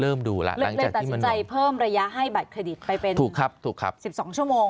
เล็กแต่สินใจเพิ่มระยะให้บัตรเครดิตไปเป็น๑๒ชั่วโมง